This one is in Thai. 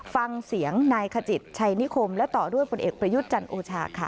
ฟังเสียงนายขจิตชัยนิคมและต่อด้วยผลเอกประยุทธ์จันทร์โอชาค่ะ